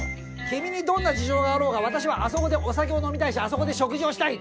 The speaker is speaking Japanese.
君にどんな事情があろうが私はあそこでお酒を飲みたいしあそこで食事をしたい。